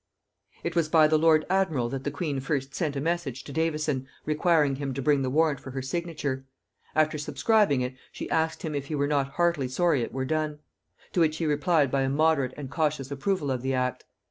It was by the lord admiral that the queen first sent a message to Davison requiring him to bring the warrant for her signature; after subscribing it, she asked him if he were not heartily sorry it were done? to which he replied by a moderate and cautious approval of the act.